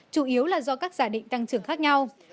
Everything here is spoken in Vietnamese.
chủ yếu là do các giả định tăng trưởng khác nhau